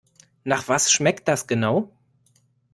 Nach was schmeckt das genau?